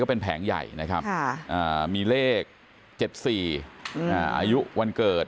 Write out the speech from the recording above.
เป็นแผงใหญ่นะครับมีเลข๗๔อายุวันเกิด